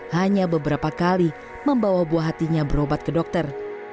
hanya beberapa kali membawa buah hatinya berobat ke dokter